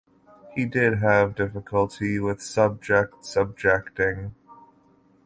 He did have difficulty with subjects objecting.